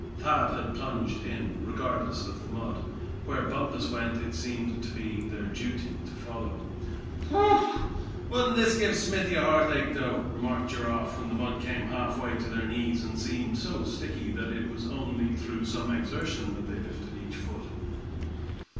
Thad had plunged in, regardless of the mud. Where Bumpus went it seemed to be their duty to follow. "Whew! wouldn't this give Smithy a heartache though?" remarked Giraffe, when the mud came half way to their knees, and seemed so sticky that it was only through some exertion that they lifted each foot.